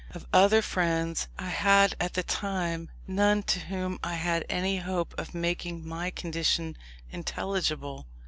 Of other friends, I had at that time none to whom I had any hope of making my condition intelligible.